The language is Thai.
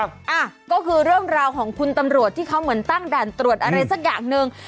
อ่ะก็คือเรื่องราวของคุณตำรวจที่เขาเหมือนตั้งด่านตรวจอะไรสักอย่างหนึ่ง